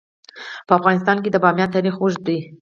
په افغانستان کې د بامیان تاریخ اوږد دی.